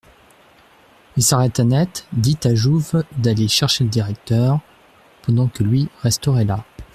Il s'arrêta net, dit à Jouve d'aller chercher le directeur, pendant que lui resterait là.